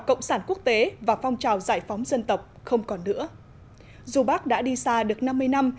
cộng sản quốc tế và phong trào giải phóng dân tộc không còn nữa dù bác đã đi xa được năm mươi năm